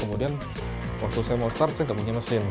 kemudian waktu saya mau start saya nggak punya mesin